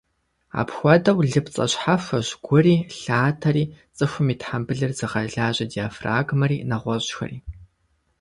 Апхуэдэу, лыпцӏэ щхьэхуэщ гури, лъатэри, цӏыхум и тхьэмбылыр зыгъэлажьэ диафрагмэри, нэгъуэщӏхэри.